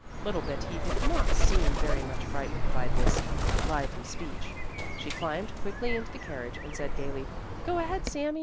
Little Betti did not seem very much frightened by this lively speech. She climbed quickly into the carriage and said gaily: "Go ahead, Sami!"